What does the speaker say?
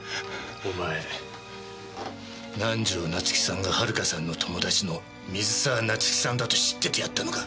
お前南条夏樹さんが遥さんの友達の水沢夏樹さんだと知っててやったのか？